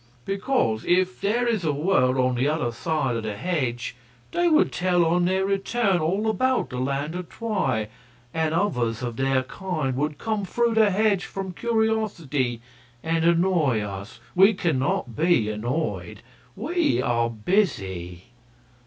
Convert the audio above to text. "Because, if there is a world on the other side of the hedge, they would tell on their return all about the Land of Twi, and others of their kind would come through the hedge from curiosity and annoy us. We can not be annoyed. We are busy."